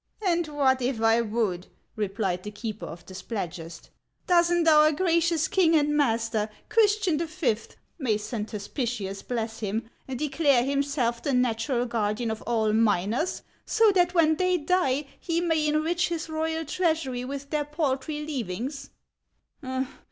" And what if I would ?" replied the keeper of the Splad gest. "Does n't our gracious king and master, Christian V., — may Saint Hospitius bless him !— declare himself the natural guardian of all miners, so that when they die lie may enrich his royal treasury with their paltry leavings